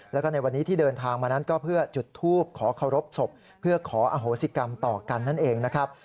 แล้วก็ในวันนี้ที่เดินทางมานั้นก็เพื่อจุดทูปขอเคารพศพเพื่อขออโหสิกรรมต่อกันนั่นเองนะครับ